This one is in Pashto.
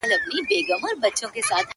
نه ماتېږي مي هیڅ تنده بېله جامه,